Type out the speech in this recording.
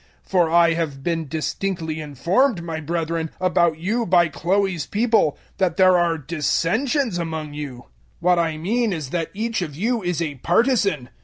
001:011 For I have been distinctly informed, my brethren, about you by Chloe's people, that there are dissensions among you. 001:012 What I mean is that each of you is a partisan.